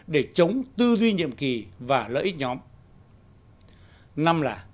để chống tư duy nhiệm kỳ và lợi ích nhóm